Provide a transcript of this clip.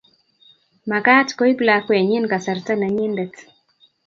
Makat koib lakwenyin kasarta nenyindet